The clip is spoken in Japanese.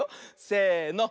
せの。